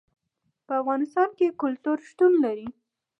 په افغانستان کې کلتور شتون لري.